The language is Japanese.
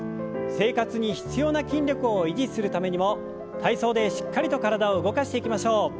生活に必要な筋力を維持するためにも体操でしっかりと体を動かしていきましょう。